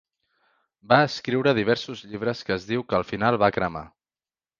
Va escriure diversos llibres que es diu que al final va cremar.